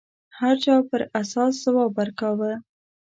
هر چا پر اساس ځواب ورکاوه